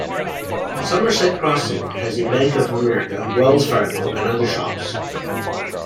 Somerset Crossing has a Bank Of America, Wells Fargo, and other shops.